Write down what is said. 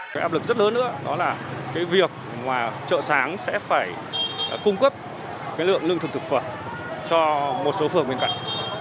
cái áp lực rất lớn nữa đó là cái việc mà chợ sáng sẽ phải cung cấp cái lượng lương thực thực phẩm cho một số phường bên cạnh